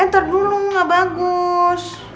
ntar dulu gak bagus